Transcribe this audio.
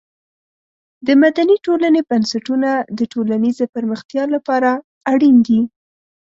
د مدني ټولنې بنسټونه د ټولنیزې پرمختیا لپاره اړین دي.